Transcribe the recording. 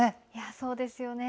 そうですよね。